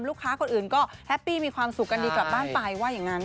ลูกค้าคนอื่นก็แฮปปี้มีความสุขกันดีกลับบ้านไปว่าอย่างนั้น